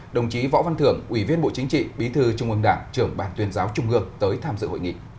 đồng chí võ văn thưởng ủy viên bộ chính trị bí thư trung ương đảng trưởng ban tuyên giáo trung ương tới tham dự hội nghị